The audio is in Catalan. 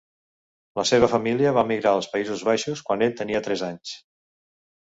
La seva família va emigrar als Països Baixos quan ell tenia tres anys.